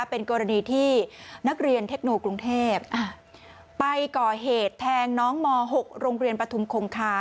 เป็นกรณีที่นักเรียนเทคโนกรุงเทพไปก่อเหตุแทงน้องม๖โรงเรียนปฐุมคงคา